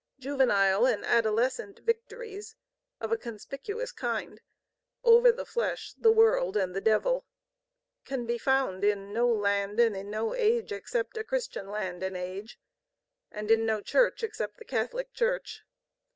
Juvenile and adolescent victories of a conspicuous kind, over the flesh, the world, and the devil, can be found in no land and in no age, except a Christian land and age, and in no Church except the Catholic Church.